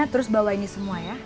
terus bawainya semua ya